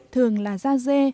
thường là da dê